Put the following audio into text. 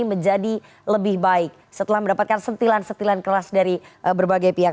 yang menjadi lebih baik setelah mendapatkan setilan setilan kelas dari berbagai pihak